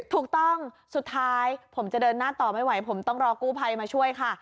ถูกต้องสุดท้ายผมจะเดินหน้าต่อไม่ไหวผมต้องรอกู้ภัยมาช่วยค่ะ